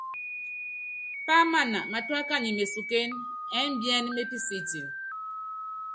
Páámána matúá kany mesukén ɛ́mbíɛ́n mépísíítín.